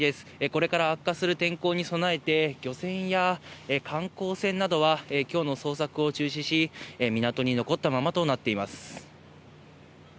これから悪化する天候に備えて漁船や観光船などは今日の捜索を中止し、港に残ったままとなっています。